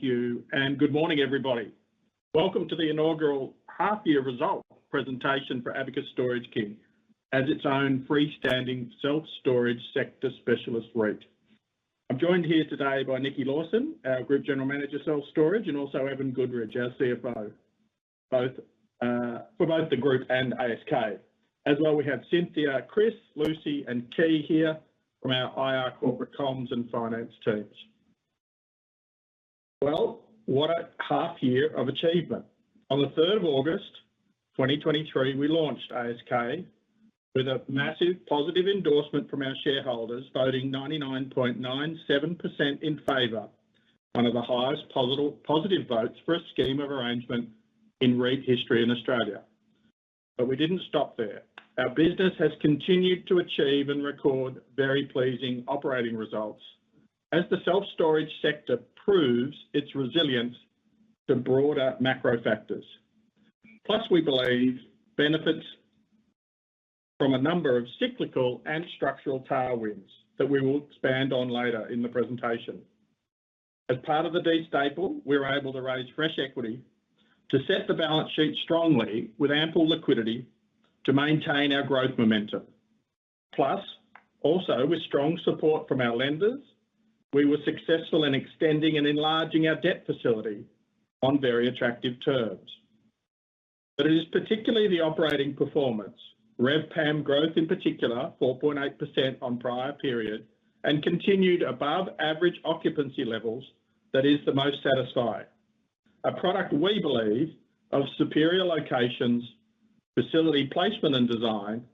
Thank you, and good morning, everybody. Welcome to the inaugural half year result presentation for Abacus Storage King, as its own freestanding self-storage sector specialist REIT. I'm joined here today by Nikki Lawson, our Group General Manager Self-Storage, and also Evan Goodridge, our CFO, both for both the group and ASK. As well, we have Cynthia, Chris, Lucy, and Key here from our IR corporate comms and finance teams. Well, what a half year of achievement. On the 3rd of August 2023, we launched ASK with a massive positive endorsement from our shareholders voting 99.97% in favor, one of the highest positive votes for a scheme of arrangement in REIT history in Australia. But we didn't stop there. Our business has continued to achieve and record very pleasing operating results as the self-storage sector proves its resilience to broader macro factors. Plus, we believe benefits from a number of cyclical and structural tailwinds that we will expand on later in the presentation. As part of the de-stapling, we were able to raise fresh equity to set the balance sheet strongly with ample liquidity to maintain our growth momentum. Plus, also with strong support from our lenders, we were successful in extending and enlarging our debt facility on very attractive terms. But it is particularly the operating performance, RevPAM growth in particular 4.8% on prior period, and continued above-average occupancy levels that is the most satisfying, a product we believe of superior locations, facility placement, and design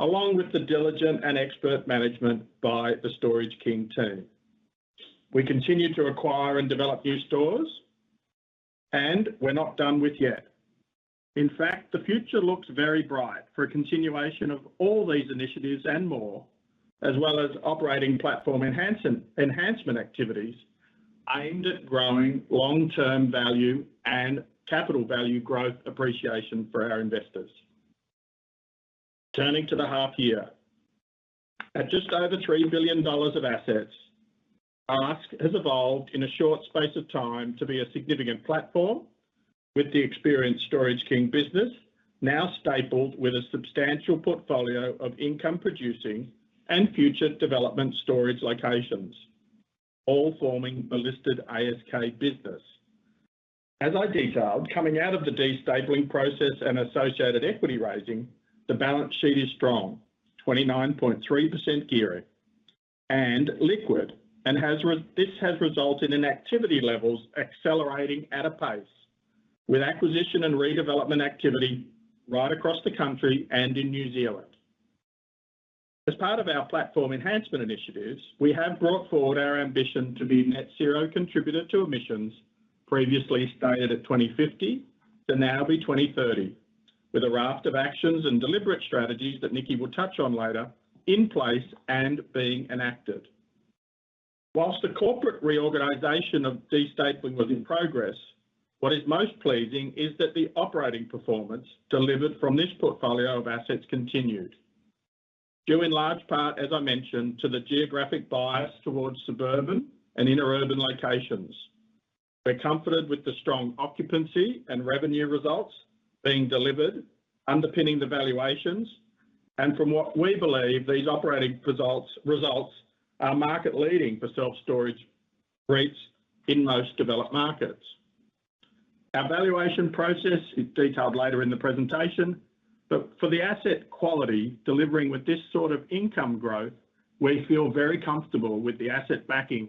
along with the diligent and expert management by the Storage King team. We continue to acquire and develop new stores, and we're not done with yet. In fact, the future looks very bright for a continuation of all these initiatives and more, as well as operating platform enhancement activities aimed at growing long-term value and capital value growth appreciation for our investors. Turning to the half year, at just over 3 billion dollars of assets, ASK has evolved in a short space of time to be a significant platform with the experienced Storage King business now stapled with a substantial portfolio of income-producing and future development storage locations, all forming the listed ASK business. As I detailed, coming out of the de-stapling process and associated equity raising, the balance sheet is strong, 29.3% gearing, and liquid, and this has resulted in activity levels accelerating at a pace with acquisition and redevelopment activity right across the country and in New Zealand. As part of our platform enhancement initiatives, we have brought forward our ambition to be a net-zero contributor to emissions previously stated at 2050 to now be 2030, with a raft of actions and deliberate strategies that Nikki will touch on later in place and being enacted. While the corporate reorganisation of de-stapling was in progress, what is most pleasing is that the operating performance delivered from this portfolio of assets continued due in large part, as I mentioned, to the geographic bias towards suburban and inner-urban locations. We're comforted with the strong occupancy and revenue results being delivered, underpinning the valuations, and from what we believe, these operating results are market-leading for self-storage REITs in most developed markets. Our valuation process is detailed later in the presentation, but for the asset quality delivering with this sort of income growth, we feel very comfortable with the asset backing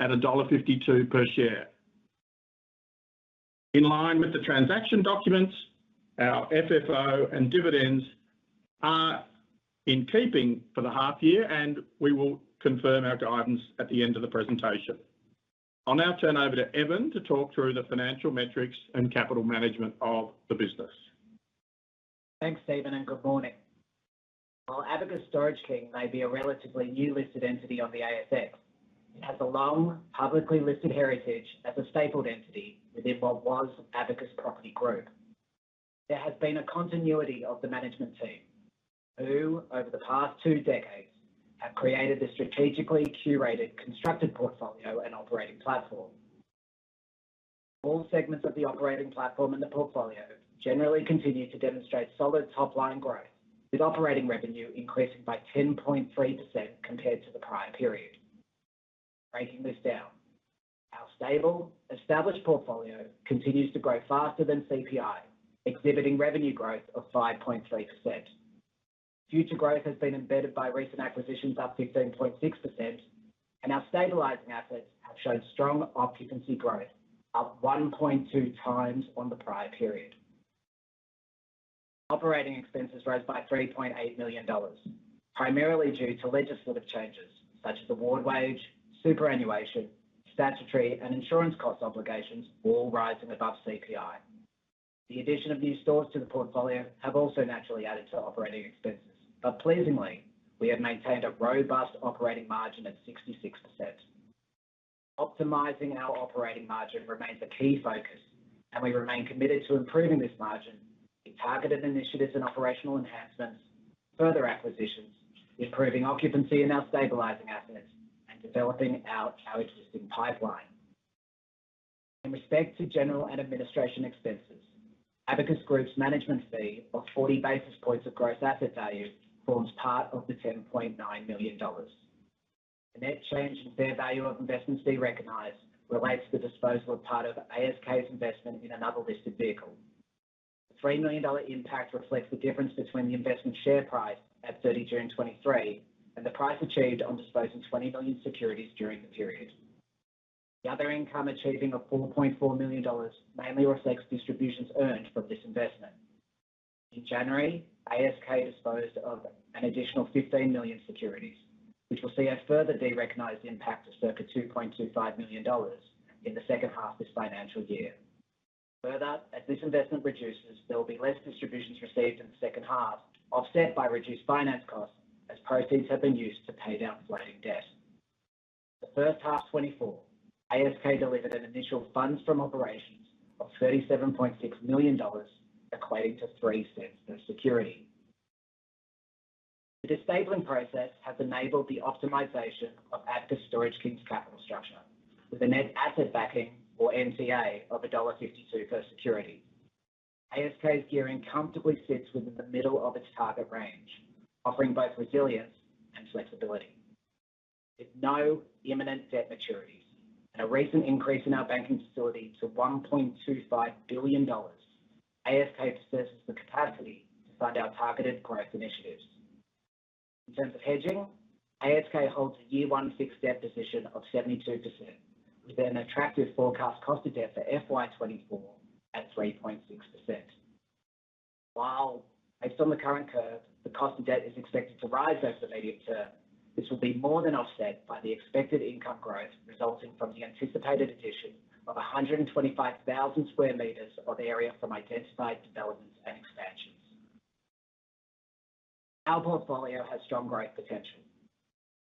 at dollar 1.52 per share. In line with the transaction documents, our FFO and dividends are in keeping for the half year, and we will confirm our guidance at the end of the presentation. I'll now turn over to Evan to talk through the financial metrics and capital management of the business. Thanks, Steven, and good morning. While Abacus Storage King may be a relatively new listed entity on the ASX, it has a long publicly listed heritage as a stapled entity within what was Abacus Property Group. There has been a continuity of the management team who, over the past two decades, have created the strategically curated constructed portfolio and operating platform. All segments of the operating platform and the portfolio generally continue to demonstrate solid top-line growth, with operating revenue increasing by 10.3% compared to the prior period. Breaking this down, our stable, established portfolio continues to grow faster than CPI, exhibiting revenue growth of 5.3%. Future growth has been embedded by recent acquisitions up 15.6%, and our stabilising assets have shown strong occupancy growth up 1.2x on the prior period. Operating expenses rose by 3.8 million dollars, primarily due to legislative changes such as award wage, superannuation, statutory, and insurance cost obligations all rising above CPI. The addition of new stores to the portfolio has also naturally added to operating expenses, but pleasingly, we have maintained a robust operating margin at 66%. Optimizing our operating margin remains a key focus, and we remain committed to improving this margin with targeted initiatives and operational enhancements, further acquisitions, improving occupancy in our stabilising assets, and developing our existing pipeline. In respect to general and administration expenses, Abacus Group's management fee of 40 basis points of gross asset value forms part of the 10.9 million dollars. The net change in fair value of investments derecognised relates to the disposal of part of ASK's investment in another listed vehicle. The 3 million dollar impact reflects the difference between the investment share price at 30 June 2023 and the price achieved on disposing 20 million securities during the period. The other income of 4.4 million dollars mainly reflects distributions earned from this investment. In January, ASK disposed of an additional 15 million securities, which will see a further derecognized impact of circa 2.25 million dollars in the second half of this financial year. Further, as this investment reduces, there will be less distributions received in the second half, offset by reduced finance costs as proceeds have been used to pay down floating debt. The first half 2024, ASK delivered an initial funds from operations of 37.6 million dollars, equating to 0.03 per security. The de-stapling process has enabled the optimization of Abacus Storage King's capital structure with a net asset backing, or NTA, of AUD 1.52 per security. ASK's gearing comfortably sits within the middle of its target range, offering both resilience and flexibility. With no imminent debt maturities and a recent increase in our banking facility to 1.25 billion dollars, ASK possesses the capacity to fund our targeted growth initiatives. In terms of hedging, ASK holds a year-one fixed debt position of 72% with an attractive forecast cost of debt for FY 2024 at 3.6%. While based on the current curve, the cost of debt is expected to rise over the medium term, this will be more than offset by the expected income growth resulting from the anticipated addition of 125,000 sq m of area from identified developments and expansions. Our portfolio has strong growth potential.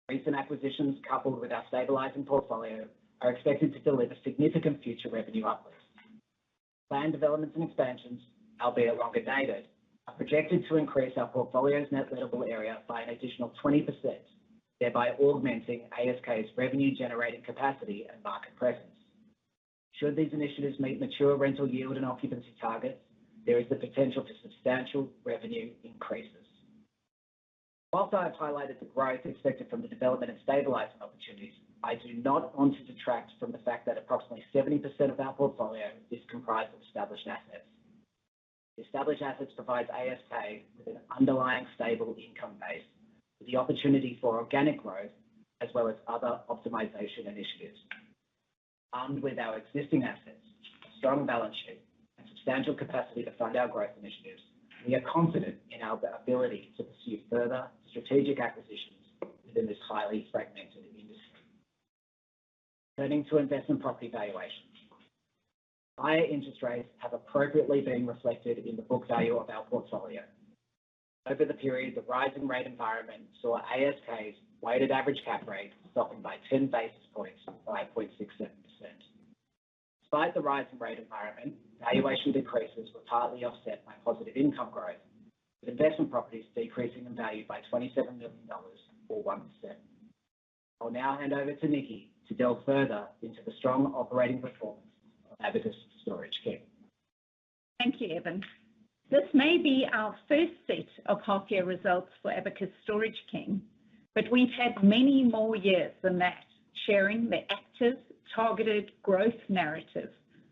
Recent acquisitions coupled with our stabilizing portfolio are expected to deliver significant future revenue uplifts. Planned developments and expansions, albeit longer dated, are projected to increase our portfolio's net lettable area by an additional 20%, thereby augmenting ASK's revenue-generating capacity and market presence. Should these initiatives meet mature rental yield and occupancy targets, there is the potential for substantial revenue increases. While I have highlighted the growth expected from the development and stabilizing opportunities, I do not want to detract from the fact that approximately 70% of our portfolio is comprised of established assets. The established assets provide ASK with an underlying stable income base with the opportunity for organic growth as well as other optimization initiatives. Armed with our existing assets, a strong balance sheet, and substantial capacity to fund our growth initiatives, we are confident in our ability to pursue further strategic acquisitions within this highly fragmented industry. Turning to investment property valuations, higher interest rates have appropriately been reflected in the book value of our portfolio. Over the period, the rising rate environment saw ASK's weighted average cap rate dropping by 10 basis points to 5.67%. Despite the rising rate environment, valuation decreases were partly offset by positive income growth, with investment properties decreasing in value by 27 million dollars or 1%. I'll now hand over to Nikki to delve further into the strong operating performance of Abacus Storage King. Thank you, Evan. This may be our first set of half-year results for Abacus Storage King, but we've had many more years than that sharing the active, targeted growth narrative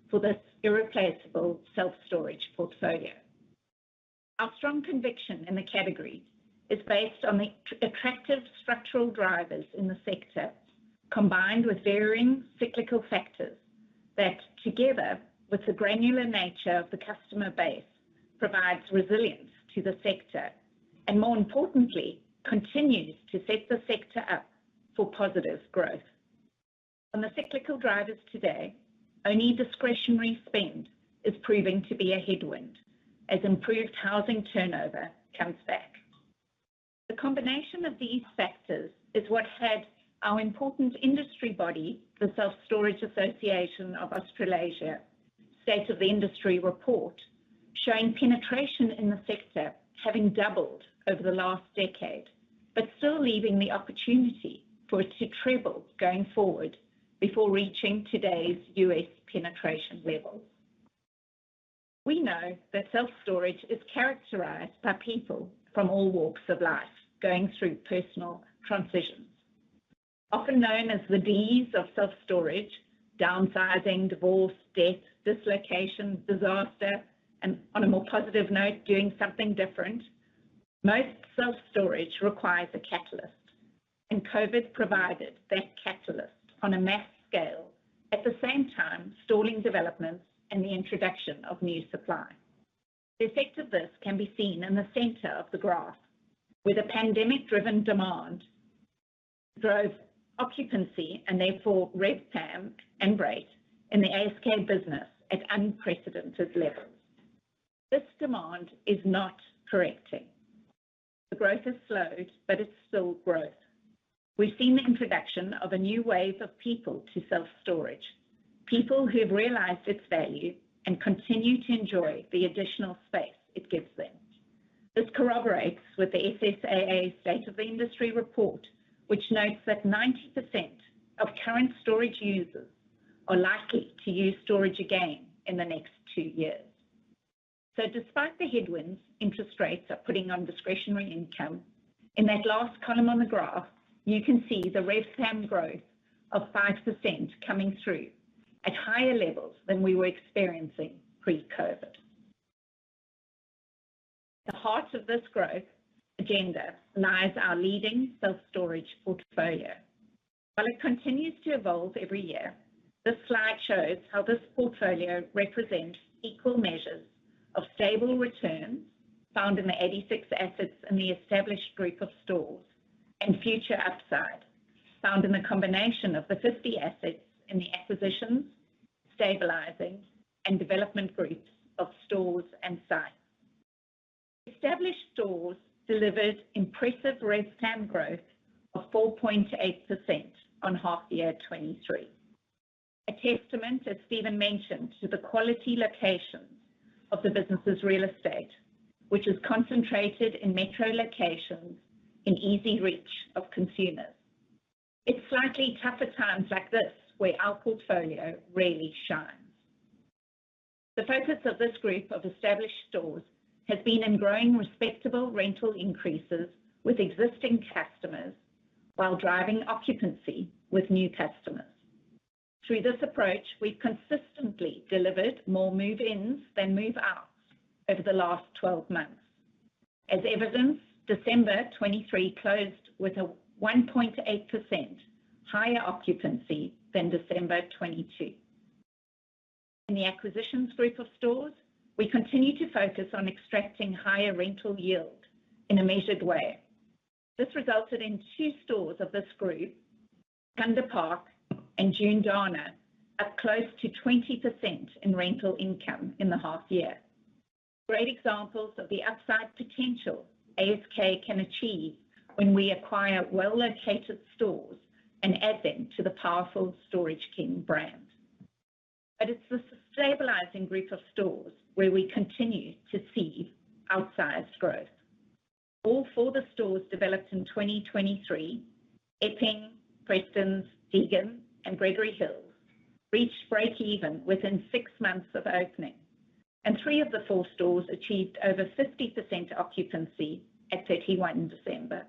for this irreplaceable self-storage portfolio. Our strong conviction in the category is based on the attractive structural drivers in the sector combined with varying cyclical factors that, together with the granular nature of the customer base, provide resilience to the sector and, more importantly, continue to set the sector up for positive growth. On the cyclical drivers today, only discretionary spend is proving to be a headwind as improved housing turnover comes back. The combination of these factors is what had our important industry body, the Self Storage Association of Australasia, State of the Industry report showing penetration in the sector having doubled over the last decade but still leaving the opportunity for it to treble going forward before reaching today's U.S. penetration levels. We know that self-storage is characterized by people from all walks of life going through personal transitions, often known as the Ds of self-storage: downsizing, divorce, debt, dislocation, disaster, and, on a more positive note, doing something different. Most self-storage requires a catalyst, and COVID provided that catalyst on a mass scale at the same time stalling developments and the introduction of new supply. The effect of this can be seen in the center of the graph, where the pandemic-driven demand drove occupancy and, therefore, RevPAM and rent in the ASK business at unprecedented levels. This demand is not correcting. The growth has slowed, but it's still growth. We've seen the introduction of a new wave of people to self-storage, people who have realized its value and continue to enjoy the additional space it gives them. This corroborates with the SSAA State of the Industry report, which notes that 90% of current storage users are likely to use storage again in the next two years. So, despite the headwinds, interest rates are putting on discretionary income. In that last column on the graph, you can see the RevPam growth of 5% coming through at higher levels than we were experiencing pre-COVID. The heart of this growth agenda lies our leading self-storage portfolio. While it continues to evolve every year, this slide shows how this portfolio represents equal measures of stable returns found in the 86 assets in the established group of stores and future upside found in the combination of the 50 assets in the acquisitions, stabilising, and development groups of stores and sites. Established stores delivered impressive RevPAM growth of 4.8% on half-year 2023, a testament, as Steven mentioned, to the quality locations of the business's real estate, which is concentrated in metro locations in easy reach of consumers. It's slightly tougher times like this where our portfolio really shines. The focus of this group of established stores has been in growing respectable rental increases with existing customers while driving occupancy with new customers. Through this approach, we've consistently delivered more move-ins than move-outs over the last 12 months. As evidence, December 2023 closed with a 1.8% higher occupancy than December 2022. In the acquisitions group of stores, we continue to focus on extracting higher rental yield in a measured way. This resulted in two stores of this group, Karratha and Joondalup, up close to 20% in rental income in the half-year. Great examples of the upside potential ASK can achieve when we acquire well-located stores and add them to the powerful Storage King brand. But it's the stabilising group of stores where we continue to see outsized growth. All four the stores developed in 2023, Epping, Prestons, Telopea, and Gregory Hills, reached break-even within six months of opening, and three of the four stores achieved over 50% occupancy at 31 December.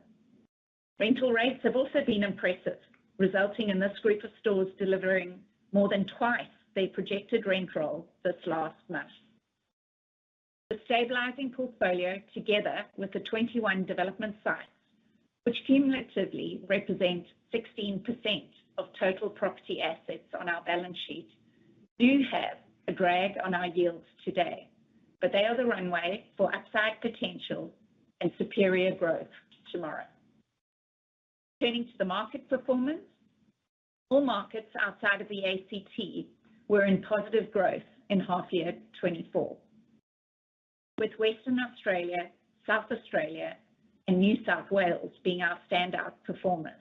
Rental rates have also been impressive, resulting in this group of stores delivering more than twice their projected rent roll this last month. The stabilising portfolio, together with the 21 development sites, which cumulatively represent 16% of total property assets on our balance sheet, do have a drag on our yields today, but they are the runway for upside potential and superior growth tomorrow. Turning to the market performance, all markets outside of the ACT were in positive growth in half-year 2024, with Western Australia, South Australia, and New South Wales being our standout performers.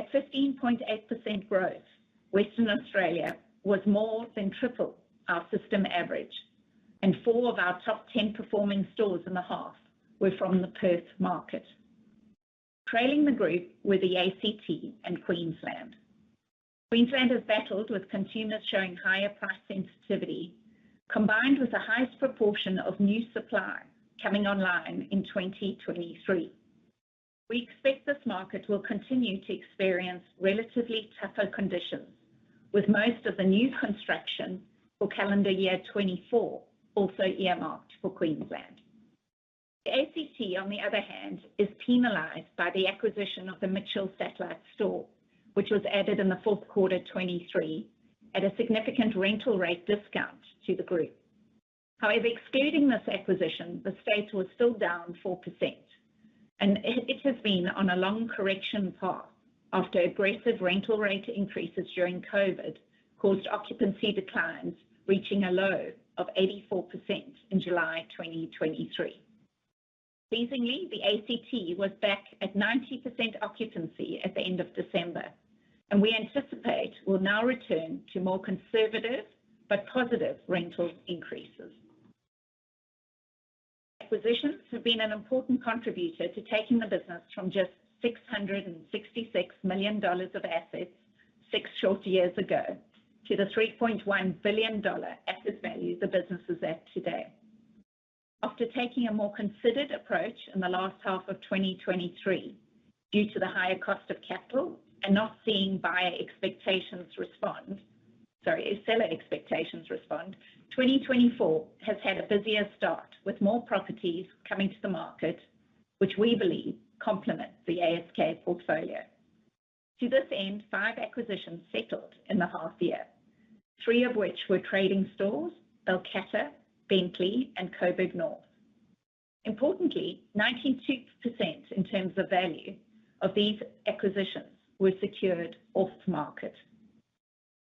At 15.8% growth, Western Australia was more than triple our system average, and four of our top 10 performing stores in the half were from the Perth market. Trailing the group were the ACT and Queensland. Queensland has battled with consumers showing higher price sensitivity combined with the highest proportion of new supply coming online in 2023. We expect this market will continue to experience relatively tougher conditions, with most of the new construction for calendar year 2024 also earmarked for Queensland. The ACT, on the other hand, is penalized by the acquisition of the Mitchell satellite store, which was added in the fourth quarter 2023 at a significant rental rate discount to the group. However, excluding this acquisition, the state was still down 4%, and it has been on a long correction path after aggressive rental rate increases during COVID caused occupancy declines reaching a low of 84% in July 2023. Pleasingly, the ACT was back at 90% occupancy at the end of December, and we anticipate will now return to more conservative but positive rental increases. Acquisitions have been an important contributor to taking the business from just 666 million dollars of assets six shorter years ago to the 3.1 billion dollar asset value the business is at today. After taking a more considered approach in the last half of 2023 due to the higher cost of capital and not seeing buyer expectations respond sorry, seller expectations respond, 2024 has had a busier start with more properties coming to the market, which we believe complement the ASK portfolio. To this end, five acquisitions settled in the half-year, three of which were trading stores: Balcatta, Bentley, and Coburg North. Importantly, 92% in terms of value of these acquisitions were secured off-market.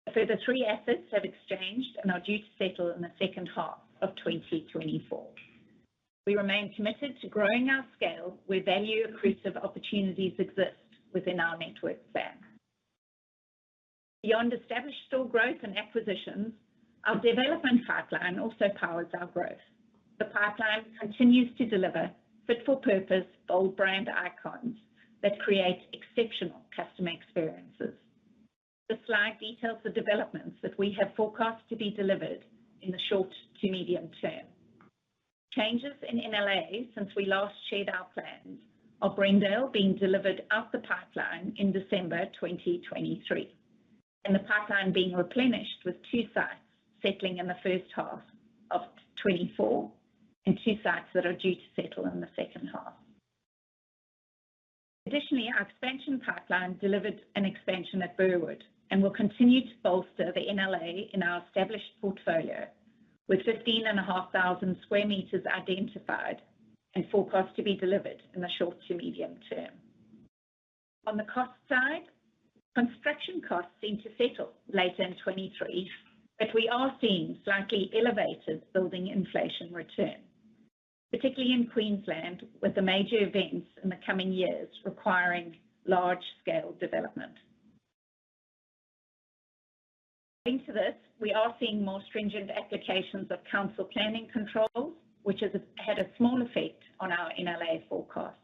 The further three assets have exchanged and are due to settle in the second half of 2024. We remain committed to growing our scale where value-accretive opportunities exist within our network span. Beyond established store growth and acquisitions, our development pipeline also powers our growth. The pipeline continues to deliver fit-for-purpose, bold brand icons that create exceptional customer experiences. The slide details the developments that we have forecast to be delivered in the short to medium term. Changes in NLA since we last shared our plans are Brendale being delivered up the pipeline in December 2023 and the pipeline being replenished with two sites settling in the first half of 2024 and two sites that are due to settle in the second half. Additionally, our expansion pipeline delivered an expansion at Burwood and will continue to bolster the NLA in our established portfolio with 15,500 sq m identified and forecast to be delivered in the short to medium term. On the cost side, construction costs seem to settle later in 2023, but we are seeing slightly elevated building inflation return, particularly in Queensland with the major events in the coming years requiring large-scale development. Adding to this, we are seeing more stringent applications of council planning controls, which has had a small effect on our NLA forecasts.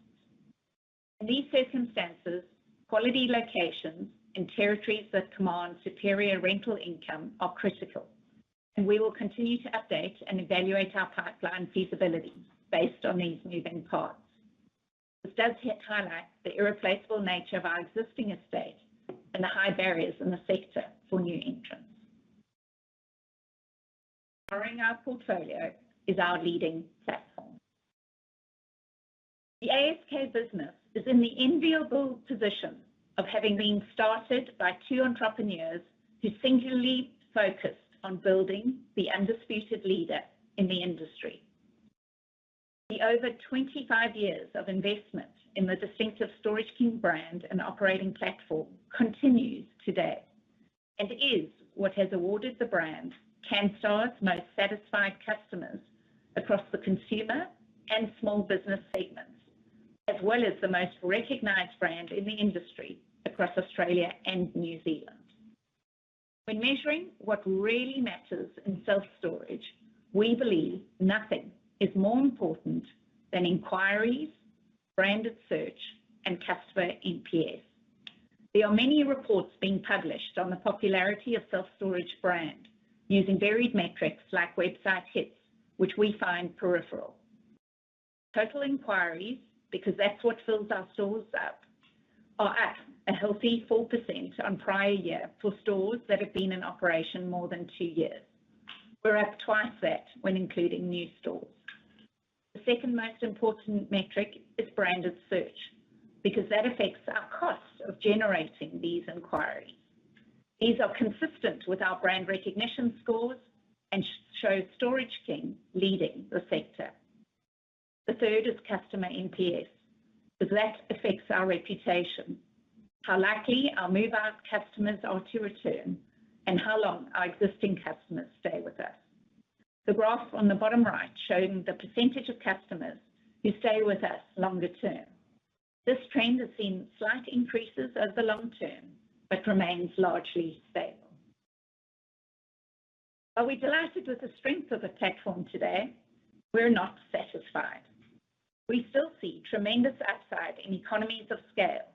In these circumstances, quality locations in territories that command superior rental income are critical, and we will continue to update and evaluate our pipeline feasibility based on these moving parts. This does highlight the irreplaceable nature of our existing estate and the high barriers in the sector for new entrants. Growing our portfolio is our leading platform. The ASK business is in the enviable position of having been started by two entrepreneurs who singularly focused on building the undisputed leader in the industry. The over 25 years of investment in the distinctive Storage King brand and operating platform continues today and is what has awarded the brand Canstar's most satisfied customers across the consumer and small business segments, as well as the most recognized brand in the industry across Australia and New Zealand. When measuring what really matters in self-storage, we believe nothing is more important than inquiries, branded search, and customer NPS. There are many reports being published on the popularity of self-storage brand using varied metrics like website hits, which we find peripheral. Total inquiries, because that's what fills our stores up, are up a healthy 4% on prior year for stores that have been in operation more than two years. We're up twice that when including new stores. The second most important metric is branded search because that affects our cost of generating these inquiries. These are consistent with our brand recognition scores and show Storage King leading the sector. The third is customer NPS because that affects our reputation, how likely our move-out customers are to return, and how long our existing customers stay with us. The graph on the bottom right showing the percentage of customers who stay with us longer term. This trend has seen slight increases over the long term but remains largely stable. While we're delighted with the strength of the platform today, we're not satisfied. We still see tremendous upside in economies of scale.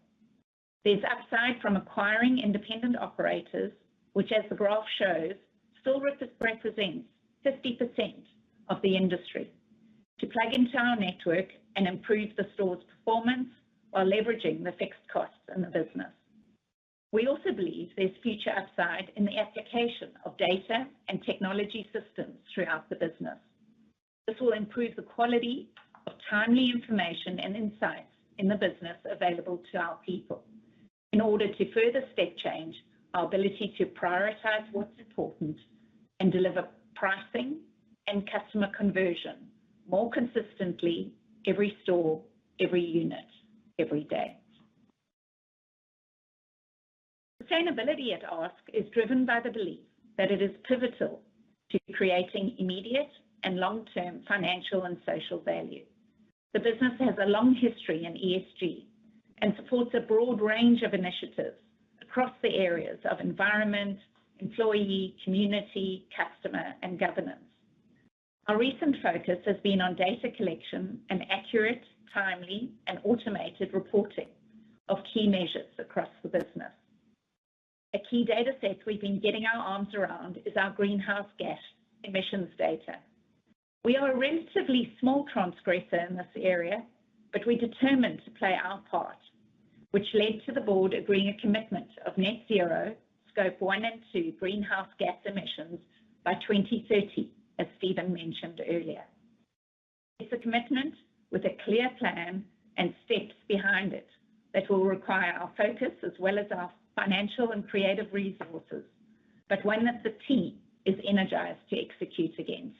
There's upside from acquiring independent operators, which, as the graph shows, still represents 50% of the industry, to plug into our network and improve the store's performance while leveraging the fixed costs in the business. We also believe there's future upside in the application of data and technology systems throughout the business. This will improve the quality of timely information and insights in the business available to our people in order to further step-change our ability to prioritize what's important and deliver pricing and customer conversion more consistently every store, every unit, every day. Sustainability at ASK is driven by the belief that it is pivotal to creating immediate and long-term financial and social value. The business has a long history in ESG and supports a broad range of initiatives across the areas of environment, employee, community, customer, and governance. Our recent focus has been on data collection and accurate, timely, and automated reporting of key measures across the business. A key data set we've been getting our arms around is our greenhouse gas emissions data. We are a relatively small transgressor in this area, but we're determined to play our part, which led to the Board agreeing a commitment of net-zero Scope 1 and 2 greenhouse gas emissions by 2030, as Steven mentioned earlier. It's a commitment with a clear plan and steps behind it that will require our focus as well as our financial and creative resources, but one that the team is energized to execute against.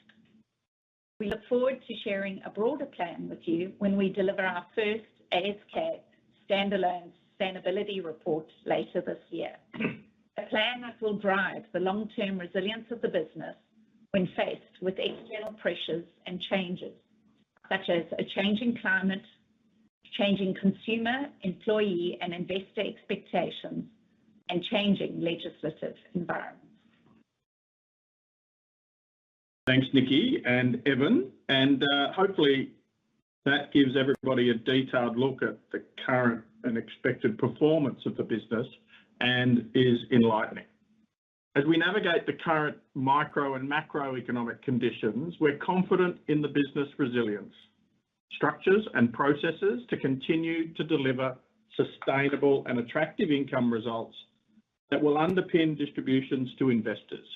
We look forward to sharing a broader plan with you when we deliver our first ASK standalone sustainability report later this year, a plan that will drive the long-term resilience of the business when faced with external pressures and changes such as a changing climate, changing consumer, employee, and investor expectations, and changing legislative environments. Thanks, Nikki and Evan. Hopefully, that gives everybody a detailed look at the current and expected performance of the business and is enlightening. As we navigate the current micro and macroeconomic conditions, we're confident in the business resilience, structures, and processes to continue to deliver sustainable and attractive income results that will underpin distributions to investors.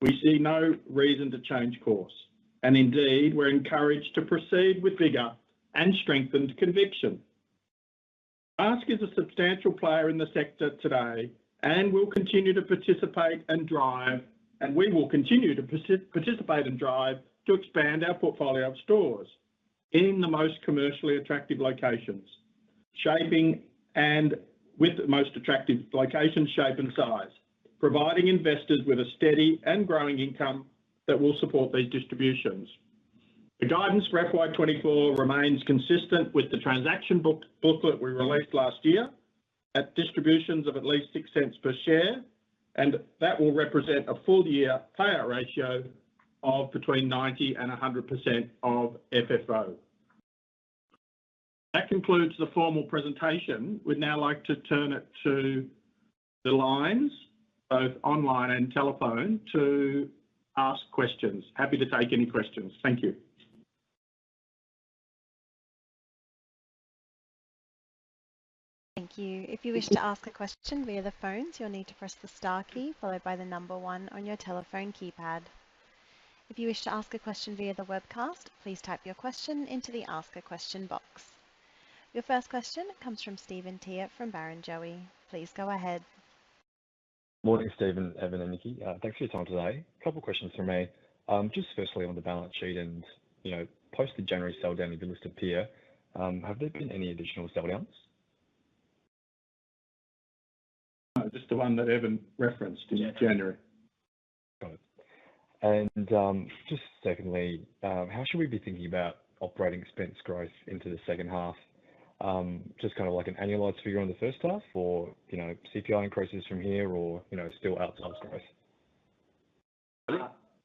We see no reason to change course, and indeed, we're encouraged to proceed with bigger and strengthened conviction. ASK is a substantial player in the sector today and will continue to participate and drive, and we will continue to participate and drive to expand our portfolio of stores in the most commercially attractive locations, shaping and with the most attractive location shape and size, providing investors with a steady and growing income that will support these distributions. The guidance for FY2024 remains consistent with the transaction booklet we released last year at distributions of at least 0.06 per share, and that will represent a full-year payout ratio of between 90% and 100% of FFO. That concludes the formal presentation. We'd now like to turn it to the lines, both online and telephone, to ask questions. Happy to take any questions. Thank you. Thank you. If you wish to ask a question via the phones, you'll need to press the star key followed by the number one on your telephone keypad. If you wish to ask a question via the webcast, please type your question into the Ask A Question box. Your first question comes from Stephen Tierney from Barrenjoey. Please go ahead. Morning, Steven, Evan, and Nikki. Thanks for your time today. A couple of questions for me. Just firstly, on the balance sheet and post the January selldown, if you look at, have there been any additional selldowns? Just the one that Evan referenced in January. Got it. And just secondly, how should we be thinking about operating expense growth into the second half? Just kind of like an annualized figure on the first half or CPI increases from here or still outsize growth?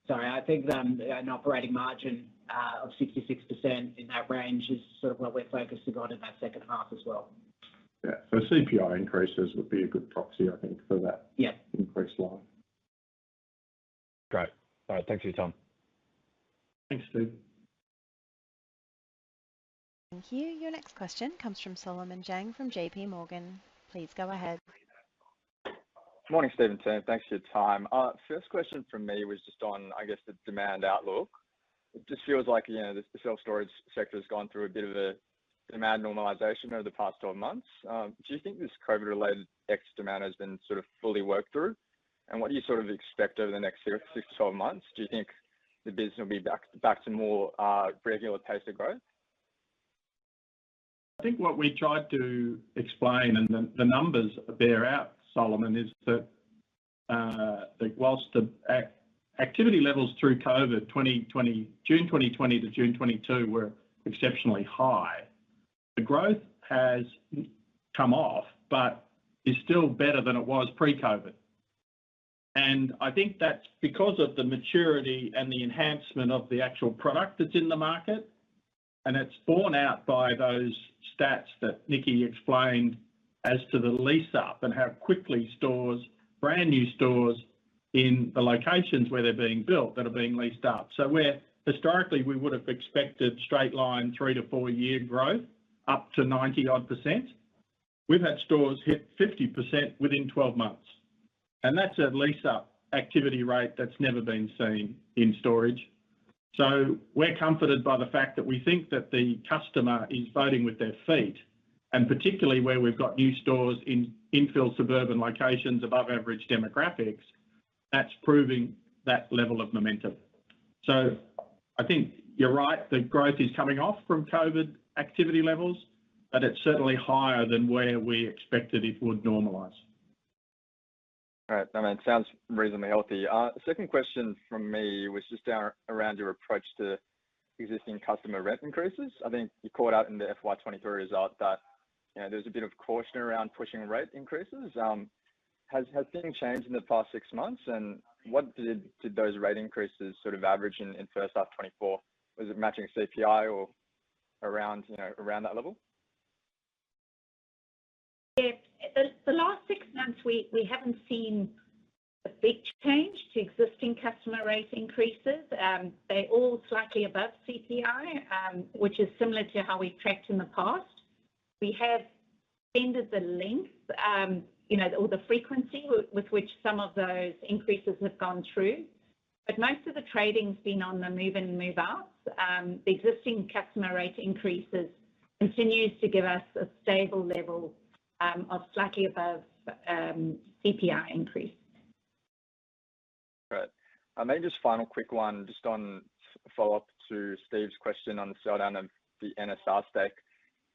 Sorry. I think an operating margin of 66% in that range is sort of what we're focused about in that second half as well. Yeah. So CPI increases would be a good proxy, I think, for that increase line. Great. All right. Thanks for your time. Thanks, Steven. Thank you. Your next question comes from Solomon Zhang from JPMorgan. Please go ahead. Morning, Steven. Thanks for your time. First question from me was just on, I guess, the demand outlook. It just feels like the self-storage sector has gone through a bit of a demand normalization over the past 12 months. Do you think this COVID-related ex-demand has been sort of fully worked through? And what do you sort of expect over the next 6-12 months? Do you think the business will be back to more regular pace of growth? I think what we tried to explain and the numbers bear out, Solomon, is that while the activity levels through COVID, June 2020 to June 2022, were exceptionally high, the growth has come off but is still better than it was pre-COVID. And I think that's because of the maturity and the enhancement of the actual product that's in the market, and it's borne out by those stats that Nikki explained as to the lease-up and how quickly brand new stores in the locations where they're being built that are being leased up. So where historically, we would have expected straight-line 3-4-year growth up to 90%-odd, we've had stores hit 50% within 12 months. And that's a lease-up activity rate that's never been seen in storage. So we're comforted by the fact that we think that the customer is voting with their feet. And particularly where we've got new stores in infill suburban locations above average demographics, that's proving that level of momentum. So I think you're right. The growth is coming off from COVID activity levels, but it's certainly higher than where we expected it would normalise. All right. That sounds reasonably healthy. Second question from me was just around your approach to existing customer rate increases. I think you caught out in the FY2023 result that there's a bit of caution around pushing rate increases. Has things changed in the past six months? And what did those rate increases sort of average in first half 2024? Was it matching CPI or around that level? Yeah. The last six months, we haven't seen a big change to existing customer rate increases. They're all slightly above CPI, which is similar to how we've tracked in the past. We have extended the length or the frequency with which some of those increases have gone through. But most of the trading's been on the move-in, move-outs. The existing customer rate increases continue to give us a stable level of slightly above CPI increase. Right. Maybe just final quick one just on follow-up to Steve's question on the selldown of the NSR stake.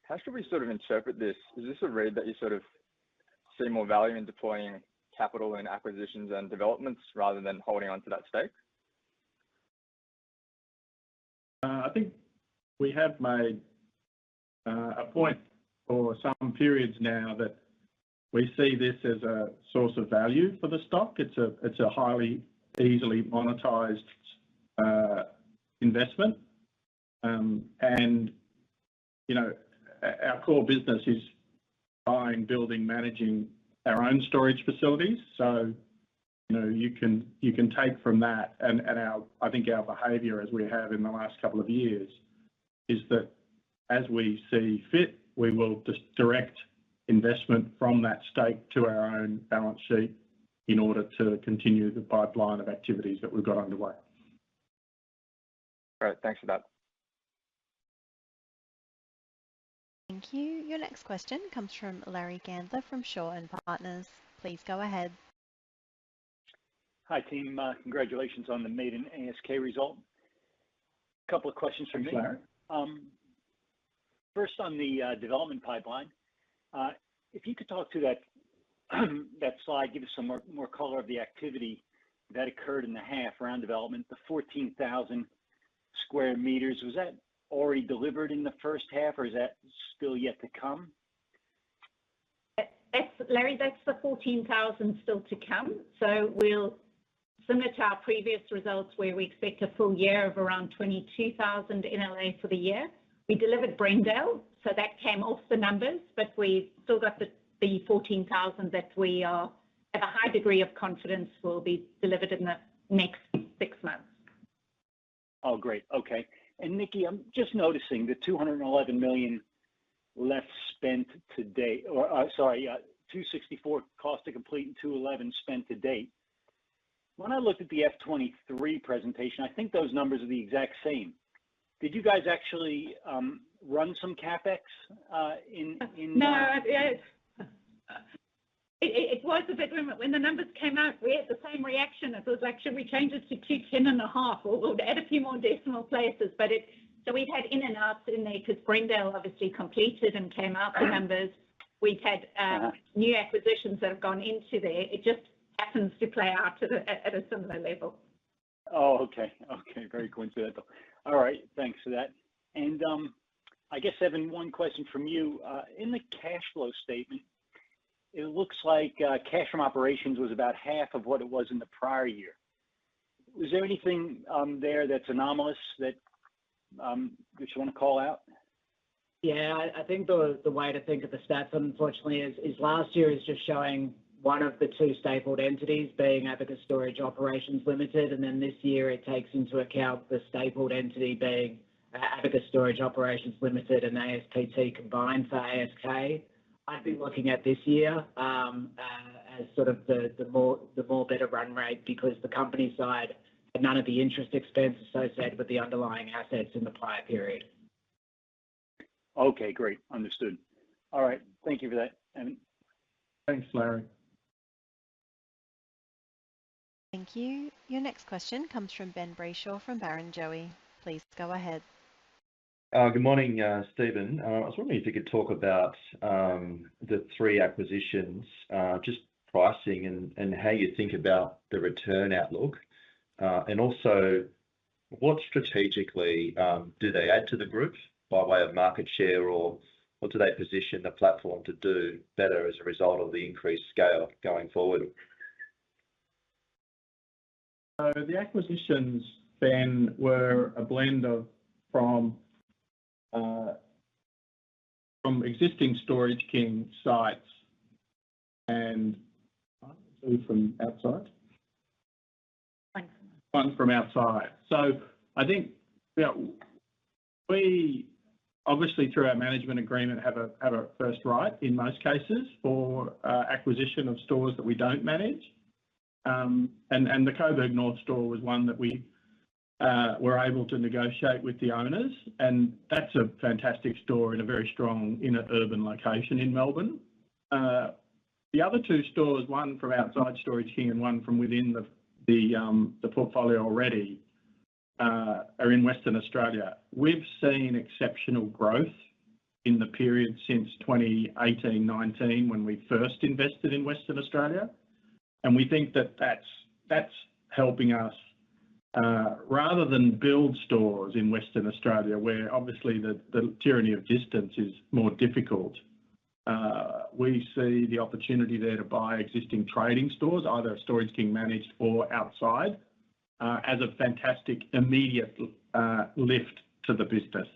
How should we sort of interpret this? Is this a read that you sort of see more value in deploying capital in acquisitions and developments rather than holding onto that stake? I think we have made a point for some periods now that we see this as a source of value for the stock. It's a highly easily monetized investment. And our core business is buying, building, managing our own storage facilities. So you can take from that. And I think our behavior as we have in the last couple of years is that as we see fit, we will direct investment from that stake to our own balance sheet in order to continue the pipeline of activities that we've got underway. Great. Thanks for that. Thank you. Your next question comes from Larry Gandler from Shaw and Partners. Please go ahead. Hi, team. Congratulations on the meeting ASK result. A couple of questions from me. Thanks, Larry. First, on the development pipeline, if you could talk to that slide, give us some more color on the activity that occurred in the half around development, the 14,000 sq m, was that already delivered in the first half or is that still yet to come? Larry, that's the 14,000 still to come. So similar to our previous results where we expect a full year of around 22,000 NLA for the year, we delivered Brendale. So that came off the numbers, but we've still got the 14,000 that we have a high degree of confidence will be delivered in the next six months. Oh, great. Okay. Nikki, I'm just noticing the 211 million spent to date or sorry, 264 million cost to complete and 211 million spent to date. When I looked at the FY2023 presentation, I think those numbers are the exact same. Did you guys actually run some CapEx in? No. It was a bit when the numbers came out, we had the same reaction. It was like, "Should we change it to 210.5 or add a few more decimal places?" So we've had ins and outs in there because Brendale obviously completed and came out the numbers. We've had new acquisitions that have gone into there. It just happens to play out at a similar level. Oh, okay. Okay. Very coincidental. All right. Thanks for that. And I guess, Evan, one question from you. In the cash flow statement, it looks like cash from operations was about half of what it was in the prior year. Was there anything there that's anomalous that you want to call out? Yeah. I think the way to think of the stats, unfortunately, is last year is just showing one of the two stapled entities being Abacus Storage Operations Limited. And then this year, it takes into account the stapled entity being Abacus Storage Operations Limited and ASPT combined for ASK. I'd be looking at this year as sort of the more better run rate because the company side had none of the interest expense associated with the underlying assets in the prior period. Okay. Great. Understood. All right. Thank you for that, Evan. Thanks, Larry. Thank you. Your next question comes from Ben Brayshaw from Barrenjoey. Please go ahead. Good morning, Steven. I was wondering if you could talk about the three acquisitions, just pricing and how you think about the return outlook, and also what strategically do they add to the group by way of market share or what do they position the platform to do better as a result of the increased scale going forward? So the acquisitions, Ben, were a blend from existing Storage King sites and from outside. Funds from outside. So I think we obviously, through our management agreement, have a first right in most cases for acquisition of stores that we don't manage. The Coburg North store was one that we were able to negotiate with the owners. That's a fantastic store in a very strong inner urban location in Melbourne. The other two stores, one from outside Storage King and one from within the portfolio already, are in Western Australia. We've seen exceptional growth in the period since 2018-2019 when we first invested in Western Australia. We think that that's helping us rather than build stores in Western Australia where obviously the tyranny of distance is more difficult, we see the opportunity there to buy existing trading stores, either Storage King managed or outside, as a fantastic immediate lift to the business.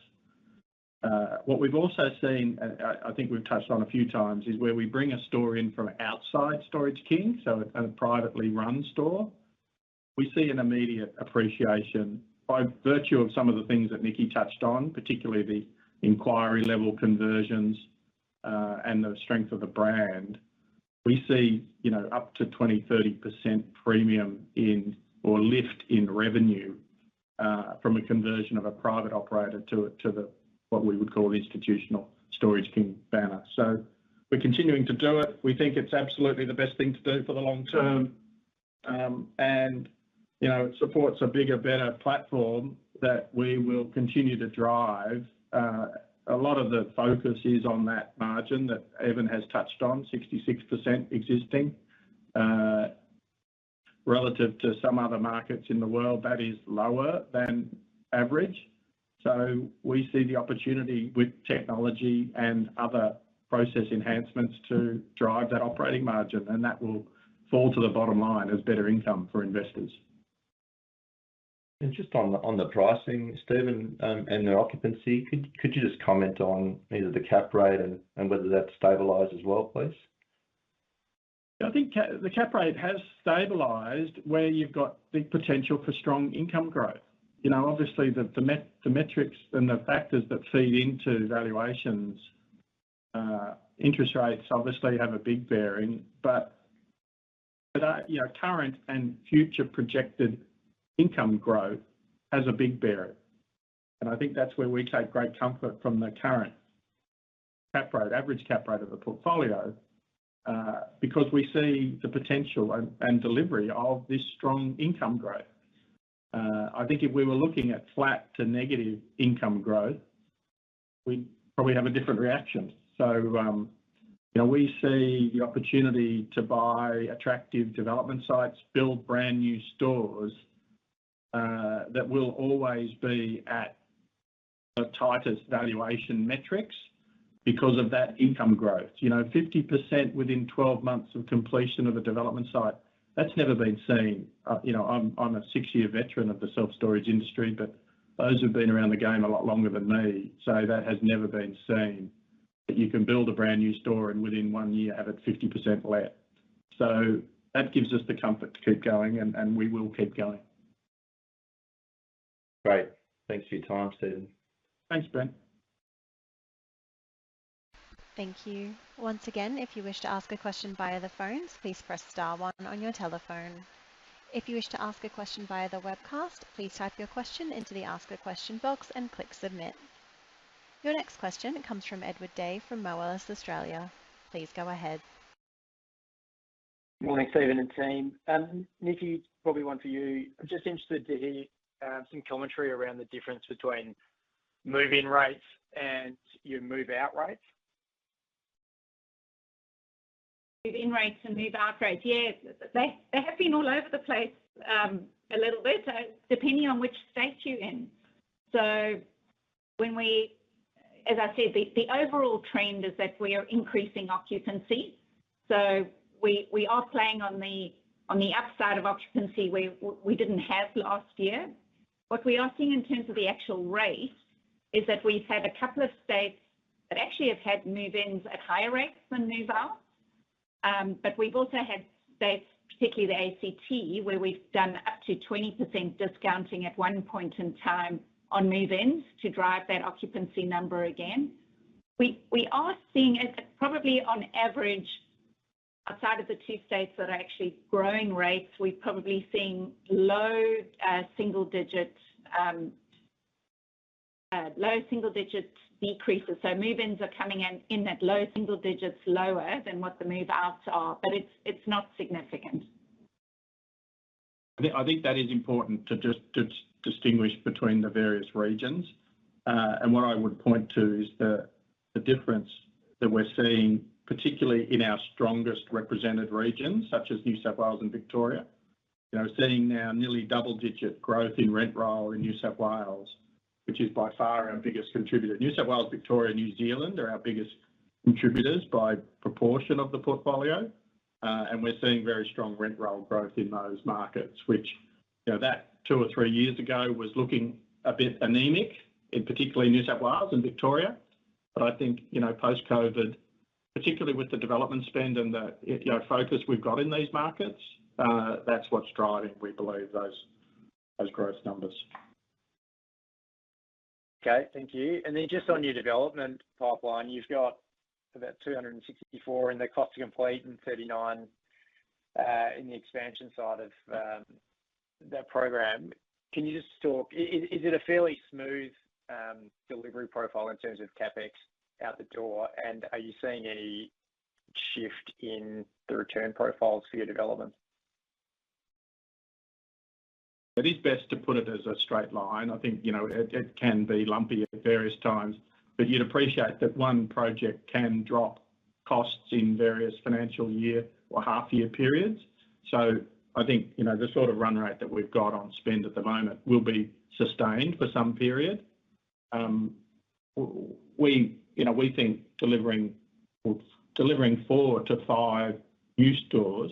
What we've also seen, and I think we've touched on a few times, is where we bring a store in from outside Storage King, so a privately run store, we see an immediate appreciation by virtue of some of the things that Nikki touched on, particularly the inquiry-level conversions and the strength of the brand. We see up to 20%-30% premium in or lift in revenue from a conversion of a private operator to what we would call institutional Storage King banner. So we're continuing to do it. We think it's absolutely the best thing to do for the long term. And it supports a bigger, better platform that we will continue to drive. A lot of the focus is on that margin that Evan has touched on, 66% existing. Relative to some other markets in the world, that is lower than average. So we see the opportunity with technology and other process enhancements to drive that operating margin. And that will fall to the bottom line as better income for investors. And just on the pricing, Steven and the occupancy, could you just comment on either the cap rate and whether that's stabilized as well, please? Yeah. I think the cap rate has stabilized where you've got the potential for strong income growth. Obviously, the metrics and the factors that feed into valuations, interest rates obviously have a big bearing. Current and future projected income growth has a big bearing. I think that's where we take great comfort from the current average cap rate of the portfolio because we see the potential and delivery of this strong income growth. I think if we were looking at flat to negative income growth, we'd probably have a different reaction. We see the opportunity to buy attractive development sites, build brand new stores that will always be at the tightest valuation metrics because of that income growth. 50% within 12 months of completion of a development site, that's never been seen. I'm a six-year veteran of the self-storage industry, but those have been around the game a lot longer than me. That has never been seen that you can build a brand new store and within 1 year have it 50% let. So that gives us the comfort to keep going. And we will keep going. Great. Thanks for your time, Steven. Thanks, Ben. Thank you. Once again, if you wish to ask a question via the phones, please press star one on your telephone. If you wish to ask a question via the webcast, please type your question into the ask-a-question box and click submit. Your next question comes from Edward Day from Moelis Australia. Please go ahead. Good morning, Steven and team. Nikki, probably one for you. I'm just interested to hear some commentary around the difference between move-in rates and your move-out rates. Move-in rates and move-out rates, yeah, they have been all over the place a little bit depending on which state you're in. So as I said, the overall trend is that we are increasing occupancy. So we are playing on the upside of occupancy where we didn't have last year. What we are seeing in terms of the actual rate is that we've had a couple of states that actually have had move-ins at higher rates than move-outs. But we've also had states, particularly the ACT, where we've done up to 20% discounting at one point in time on move-ins to drive that occupancy number again. We are seeing probably on average, outside of the two states that are actually growing rates, we're probably seeing low single-digit decreases. So move-ins are coming in at low single digits lower than what the move-outs are. But it's not significant. I think that is important to just distinguish between the various regions. And what I would point to is the difference that we're seeing, particularly in our strongest represented regions such as New South Wales and Victoria. We're seeing now nearly double-digit growth in rent roll in New South Wales, which is by far our biggest contributor. New South Wales, Victoria, and New Zealand are our biggest contributors by proportion of the portfolio. And we're seeing very strong rent roll growth in those markets, which two or three years ago was looking a bit anemic, particularly New South Wales and Victoria. But I think post-COVID, particularly with the development spend and the focus we've got in these markets, that's what's driving, we believe, those growth numbers. Okay. Thank you. And then just on your development pipeline, you've got about 264 in the cost to complete and 39 in the expansion side of that program. Can you just talk, is it a fairly smooth delivery profile in terms of CapEx out the door? And are you seeing any shift in the return profiles for your development? It is best to put it as a straight line. I think it can be lumpy at various times. But you'd appreciate that one project can drop costs in various financial year or half-year periods. So I think the sort of run rate that we've got on spend at the moment will be sustained for some period. We think delivering 4-5 new stores,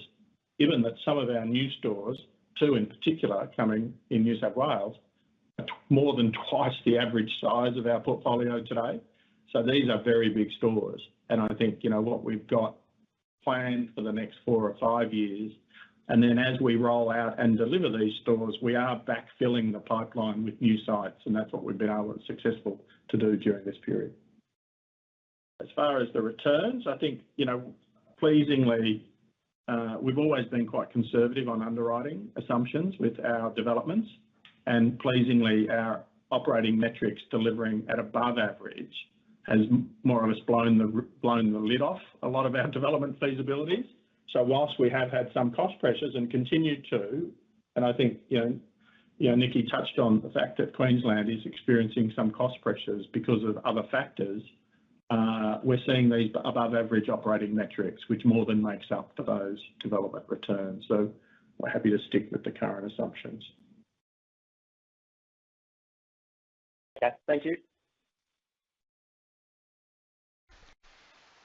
given that some of our new stores, two in particular coming in New South Wales, are more than twice the average size of our portfolio today. So these are very big stores. And I think what we've got planned for the next 4 or 5 years, and then as we roll out and deliver these stores, we are backfilling the pipeline with new sites. And that's what we've been able and successful to do during this period. As far as the returns, I think pleasingly, we've always been quite conservative on underwriting assumptions with our developments. And pleasingly, our operating metrics delivering at above average has more or less blown the lid off a lot of our development feasibilities. So whilst we have had some cost pressures and continue to, and I think Nikki touched on the fact that Queensland is experiencing some cost pressures because of other factors, we're seeing these above-average operating metrics, which more than makes up for those development returns. So we're happy to stick with the current assumptions. Okay. Thank you.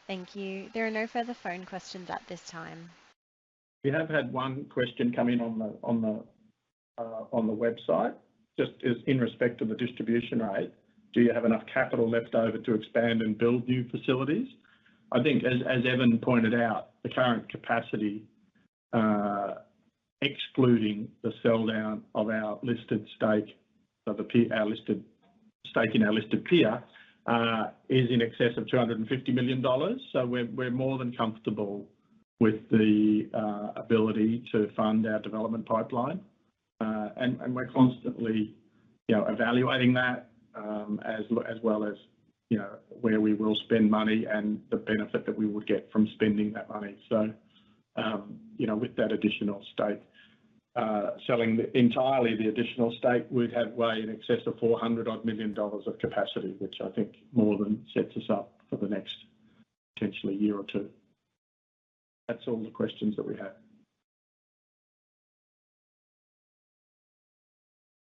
Thank you. There are no further phone questions at this time. We have had one question come in on the website just in respect to the distribution rate. Do you have enough capital left over to expand and build new facilities? I think, as Evan pointed out, the current capacity, excluding the sell-down of our listed stake in our listed peer, is in excess of 250 million dollars. So we're more than comfortable with the ability to fund our development pipeline. We're constantly evaluating that as well as where we will spend money and the benefit that we would get from spending that money. So with that additional stake, selling entirely the additional stake would have weighed in excess of 400 million dollars-odd of capacity, which I think more than sets us up for the next potentially year or two. That's all the questions that we have.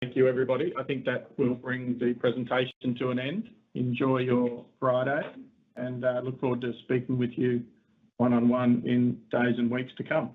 Thank you, everybody. I think that will bring the presentation to an end. Enjoy your Friday. Look forward to speaking with you one-on-one in days and weeks to come.